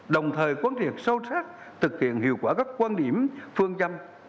đồng thời quan trọng sâu sắc thực hiện hiệu quả các quan điểm phương châm